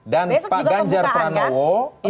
dan pak ganjar pranowo